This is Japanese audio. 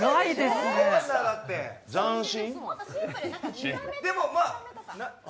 斬新？